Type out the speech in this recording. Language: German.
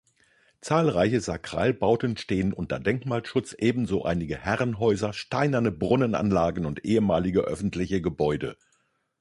Zahlreiche Sakralbauten stehen unter Denkmalschutz, ebenso einige Herrenhäuser, steinerne Brunnenanlagen und ehemalige öffentliche Gebäude.